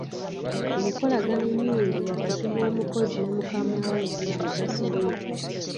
Enkolagana ennungi wakati w'omukozi ne mukamaawe ya mugaso nnyo.